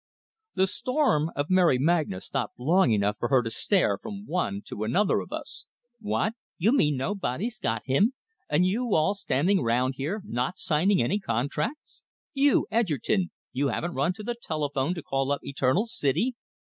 The storm of Mary Magna stopped long enough for her to stare from one to another of us. "What? You mean nobody's got him? And you all standing round here, not signing any contracts? You, Edgerton you haven't run to the telephone to call up Eternal City?